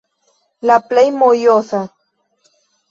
La plej mojosa-